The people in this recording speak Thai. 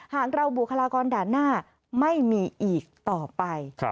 หากเราบุคลากรด่านหน้าไม่มีอีกต่อไป